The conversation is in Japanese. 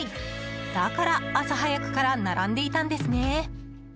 だから、朝早くから並んでいたんですね。